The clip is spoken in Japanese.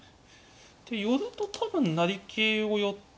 で寄ると多分成桂を。